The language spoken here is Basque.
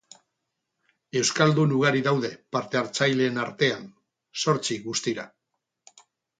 Euskaldun ugari daude parte hartzaileen artean, zortzi guztira.